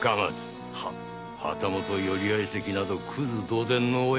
旗本寄合席などクズ同然。